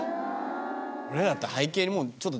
俺らだったら背景にちょっと。